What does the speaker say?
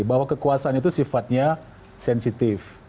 bahwa kekuasaan itu sifatnya sensitif